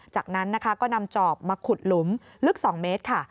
จากนั้นก็นำจอบมาขุดหลุมลึก๒เมตร